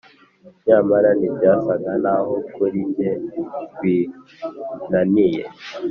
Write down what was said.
nyamara ntibyasaga naho kuri njye binaniye;